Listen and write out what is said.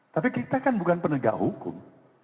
tapi kita kan bukan penegak hukum